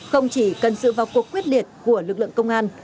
không chỉ cần sự vào cuộc quyết liệt của lực lượng công an